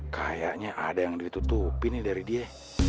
kayaknya ada yang ditutupi nih dari dia